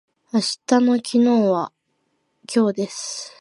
明日の昨日は今日です。